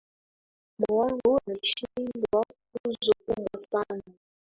Mwalimu wangu ameshindwa tuzo kubwa sana.